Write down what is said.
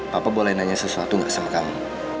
papa boleh nanya sesuatu nggak sama kamu